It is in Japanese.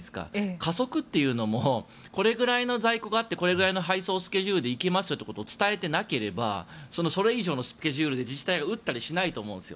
加速っていうのもこれぐらいの在庫があってこれくらいの配送スケジュールで行きますということを伝えてなければそれ以上のスケジュールで自治体が打ったりしないと思うんですよ。